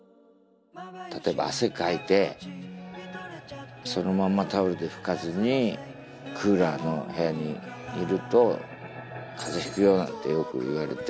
例えば汗かいてそのままタオルで拭かずにクーラーの部屋にいると風邪ひくよなんてよく言われて。